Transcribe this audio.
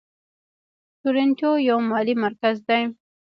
تورنټو یو مالي مرکز دی.